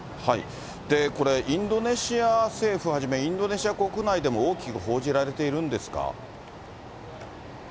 これ、インドネシア政府はじめ、インドネシア国内でも大きく報じられているんですか。